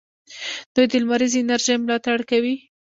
دوی د لمریزې انرژۍ ملاتړ کوي.